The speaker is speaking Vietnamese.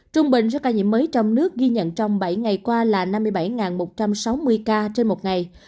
trung bình số ca nhiễm mới trong nước ghi nhận số ca nhiễm mới trong bảy ngày qua là năm mươi bảy một trăm sáu mươi ca trên một ngày